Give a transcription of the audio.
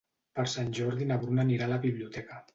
Per Sant Jordi na Bruna anirà a la biblioteca.